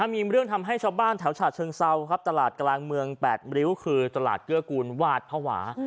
มีเรื่องทำให้ชาวบ้านแถวฉะเชิงเซาครับตลาดกลางเมือง๘ริ้วคือตลาดเกื้อกูลหวาดภาวะ